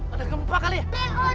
ada gempa kali ya